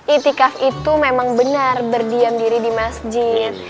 itikaf itu memang benar berdiam diri di masjid